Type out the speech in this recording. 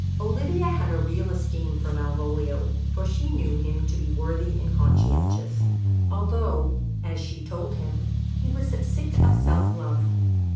Olivia had a real esteem for Malvolio, for she knew him to be worthy and conscientious, although, as she told him, he was "sick of self love."